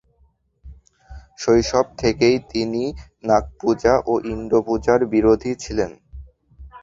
শৈশব থেকেই তিনি নাগপূজা ও ইন্দ্রপূজার বিরোধী ছিলেন।